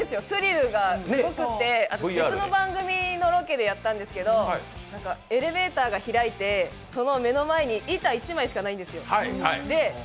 スリルがすごくて別の番組のロケでやったんですけど、エレベーターが開いてその目の前に板１枚しかないんですよ。